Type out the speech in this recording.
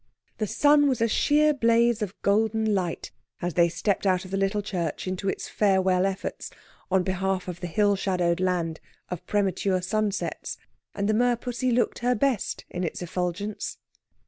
The sun was a sheer blaze of golden light as they stepped out of the little church into its farewell efforts on behalf of the hill shadowed land of premature sunsets, and the merpussy looked her best in its effulgence.